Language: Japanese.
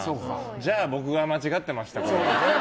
じゃあ僕が間違ってましたね。